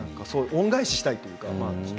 恩返ししたいというか。